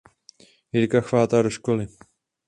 Jirka chvátá do školy.